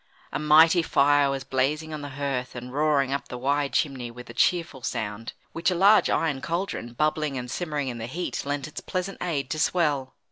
A mighty fire was blazing on the hearth and roaring up the wide chimney with a cheerful sound, which a large iron cauldron, bubbling and simmering in the heat, lent its pleasant aid to swell.